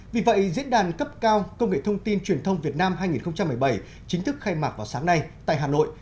vì vậy diễn đàn cấp cao công nghệ thông tin truyền thông việt nam hai nghìn một mươi bảy chính thức khai mạc vào sáng nay tại hà nội